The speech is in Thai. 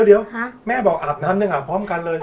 เดี๋ยวแม่บอกอาบน้ำหนึ่งอาบพร้อมกันเลย